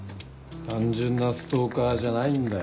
単純なストーカーじゃないんだよなあ。